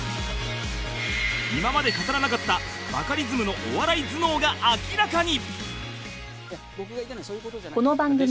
今まで語らなかったバカリズムのお笑い頭脳が明らかに